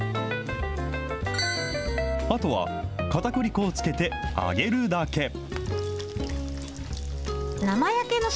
あとはかたくり粉をつけて揚げるだけ。